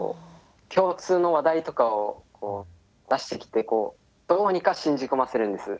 共通の話題とかを出してきてどうにか信じ込ませるんです。